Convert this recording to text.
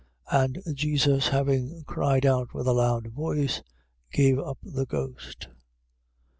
15:37. And Jesus, having cried out with a loud voice, gave up the ghost.